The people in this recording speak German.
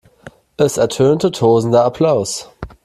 Es ertönte tosender Applaus.